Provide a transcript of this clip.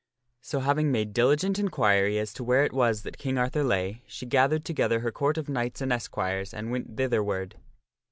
So, having made diligent inquiry as to where it Arthur was that King Arthur lay, she gathered together her Court of knights and esquires and went thitherward.